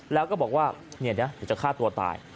แล้วก็บอกว่าเนี่ยเดี๋ยวจะฆ่าตัวตาย